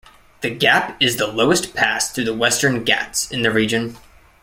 The gap is the lowest pass through the Western Ghats in the region.